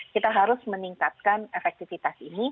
kita harus meningkatkan efektivitas ini